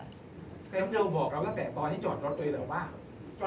แซมเดียวบอกเราตั้งแต่ตอนที่จอดรถตัวเองหรือเปล่าว่า